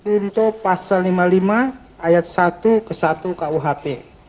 untuk pasal lima puluh lima ayat satu ke satu kuhp